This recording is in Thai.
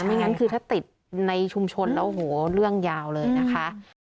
งั้นคือถ้าติดในชุมชนแล้วโอ้โหเรื่องยาวเลยนะคะ